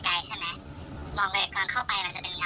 แล้วก็ตอนนี้มันก็จะมีคนเดินตามมา